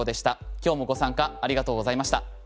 今日もご参加ありがとうございました。